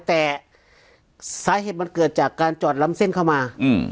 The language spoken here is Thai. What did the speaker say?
แต่สาเหตุมันเกิดจากการจอดล้ำเส้นเข้ามา